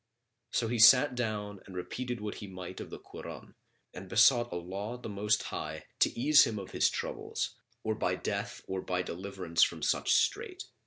So he sat down and repeated what he might of the Koran and besought Allah the Most High to ease him of his troubles, or by death or by deliverance from such strait.